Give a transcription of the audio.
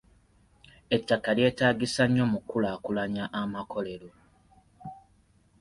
Ettaka lyeetaagisa nnyo mu ku kulaakulanya amakolero.